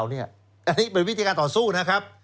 อันนี้เป็นวิธีการต่อสู้นะครับ